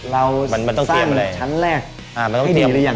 เราสร้างชั้นแรกให้ดีหรือยัง